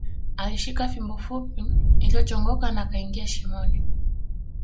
Alishika fimbo fupi iliyochongoka na akaingia shimoni